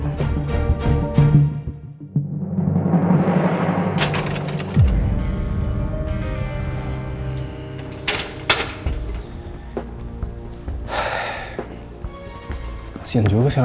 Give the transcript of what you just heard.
kasihan juga si rafael ya